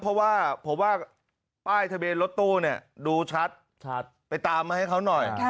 เพราะว่าผมว่าป้ายทะเบียนรถตู้ดูชัดไปตามมาให้เขาหน่อย